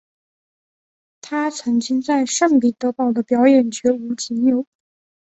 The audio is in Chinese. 她曾经在圣彼得堡的表演绝无仅有。